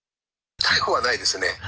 逮捕はないですね。